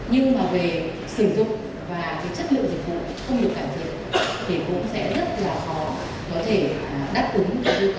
thì cũng sẽ rất là khó có thể đáp ứng cái nhu cầu của người dân thực hiện